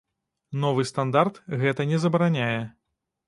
Новы стандарт гэта не забараняе.